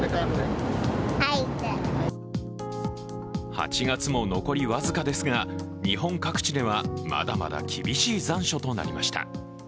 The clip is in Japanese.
８月も残り僅かですが日本各地ではまだまだ厳しい残暑となりました